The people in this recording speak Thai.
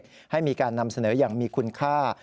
ข่าวสิทธิเด็กให้มีการนำเสนออย่างมีคุณค่า